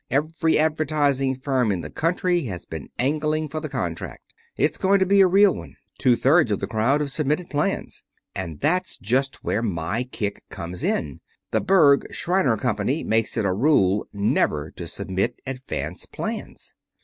Every advertising firm in the country has been angling for the contract. It's going to be a real one. Two thirds of the crowd have submitted plans. And that's just where my kick comes in. The Berg, Shriner Company makes it a rule never to submit advance plans."